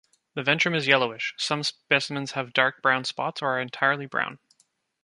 The ventrum is yellowish; some specimens have dark brown spots or are entirely brown.